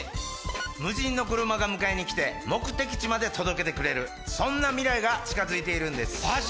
無人の車が迎えに来て目的地まで届けてくれるそんな未来が近づいているんですマジ